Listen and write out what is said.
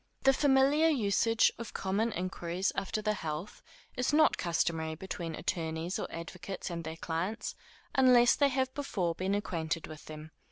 The familiar usage of common inquiries after the health is not customary between attorneys or advocates and their clients, unless they have before been acquainted with them.